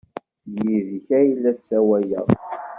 Yid-k ay la ssawaleɣ!